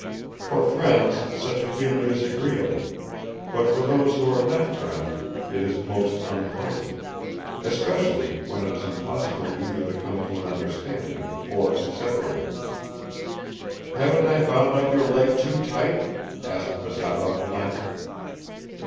For friends such a feeling is agreeable, but for those who are not friends it is most unpleasant, especially when it is impossible either to come to an understanding or to separate. "Haven't I bound up your leg too tight?" asked Bazarov at last.